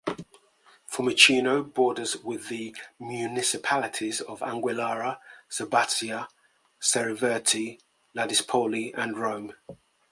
Fiumicino borders with the municipalities of Anguillara Sabazia, Cerveteri, Ladispoli and Rome.